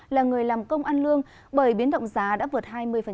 là người làm công ăn lương bởi biến động giá đã vượt hai mươi